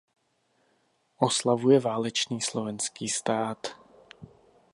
Oslavuje válečný Slovenský stát.